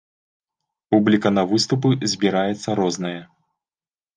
Публіка на выступы збіраецца розная.